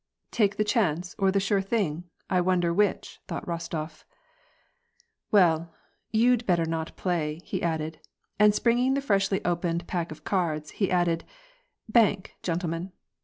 "T^ the chance or the sure thing — I wonder which," thought Bofitof . "Well, you'd better not play," he added, and springing the freshly opened pack of cards, he added :" Bank, gentlemen